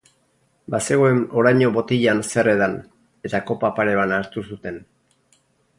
Bazegoen oraino botilan zer edan, eta kopa pare bana hartu zuten.